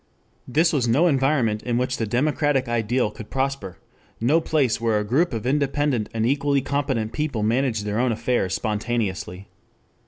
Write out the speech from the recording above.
This was no environment in which the democratic ideal could prosper, no place where a group of independent and equally competent people managed their own affairs spontaneously.